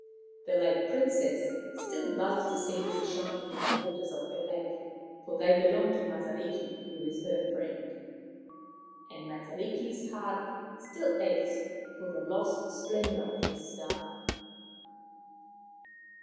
The Lake Princess still loves to see them shin ing in the waters of her lake, for they belong to Matariki, who is her friend. And Matariki's heart still aches for the lost splendour of his star.